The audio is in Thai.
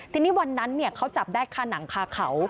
ทีนี้วันนั้นเขาจับได้คาหนังคาเขา